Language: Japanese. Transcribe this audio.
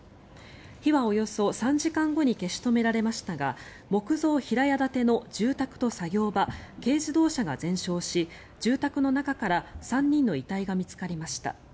火はおよそ３時間後に消し止められましたが木造平屋建ての住宅と作業場軽自動車が全焼し住宅の中から３人の遺体が見つかりました。